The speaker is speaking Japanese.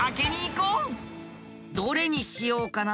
どれにしようかな